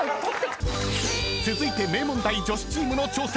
［続いて名門大女子チームの挑戦］